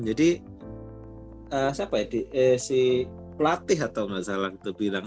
jadi si pelatih atau nggak salah bilang